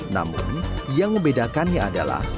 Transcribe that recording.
namun yang membedakannya adalah